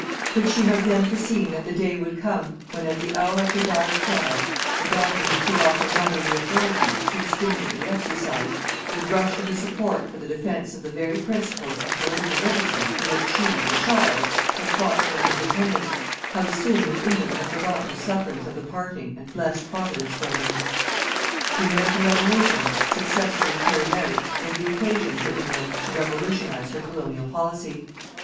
Could she have then foreseen that the day would come when at the hour of her dire trial, the daughter who threw off her motherly authority, too stringently exercised, would rush to her support for the defence of the very principles of Political Liberty for which she, the child, had fought for her independence, how soon would England have forgotten the sufferings of the parting and blessed Providence for them! The American Revolution, successfully carried out, was the occasion for England to revolutionize her Colonial Policy.